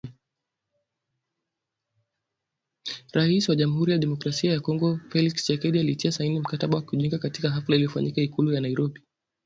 Rais wa Jamhuri ya Kidemokrasia ya Kongo Felix Tchisekedi alitia saini mkataba wa kujiunga, katika hafla iliyofanyika Ikulu ya Nairobi